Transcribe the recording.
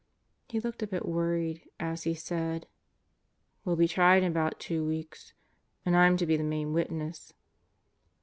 He looked a bit worried as he said: "We'll be tried in about two weeks. And I'm to be the main witness."